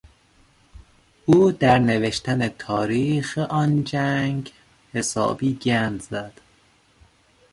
او در نوشتن تاریخ آن جنگ حسابی گند زد.